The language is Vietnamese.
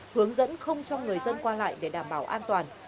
hướng dẫn không cho người dân qua lại để đảm bảo an toàn